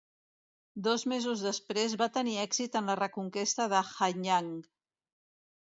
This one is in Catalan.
Dos mesos després va tenir èxit en la reconquesta de Hanyang.